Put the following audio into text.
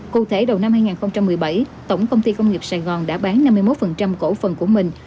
cụ thể đầu năm hai nghìn một mươi bảy tổng công ty công nghiệp sài gòn đã bán năm mươi một cổ phần của mình